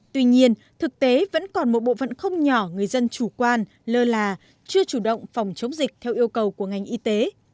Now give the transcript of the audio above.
tuy nhiên thực tế vẫn còn một bộ phận không nhỏ người dân chủ quan lơ là chưa chủ động phòng chống dịch theo yêu cầu của ngành y tế